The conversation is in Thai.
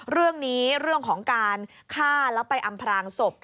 เรื่องนี้เรื่องของการฆ่าแล้วไปอำพลางศพ